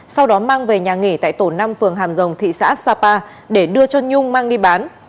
sau đó mang về nhà nghỉ tại tổ năm phường hàm rồng thị xã sapa để đưa cho nhung mang đi bán